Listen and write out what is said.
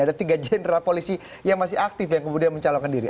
ada tiga jenderal polisi yang masih aktif yang kemudian mencalonkan diri